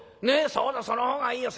そうだその方がいいよ。